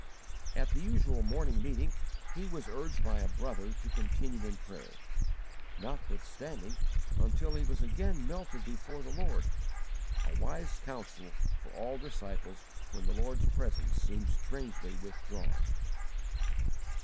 At the usual morning meeting he was urged by a brother to continue in prayer, notwithstanding, until he was again melted before the Lord a wise counsel for all disciples when the Lord's presence seems strangely withdrawn.